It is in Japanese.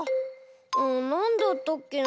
うんなんだったっけな？